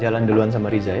jalan duluan sama riza ya